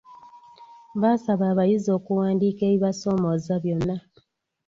Baasaba abayizi okuwandiika ebibasoomooza byonna.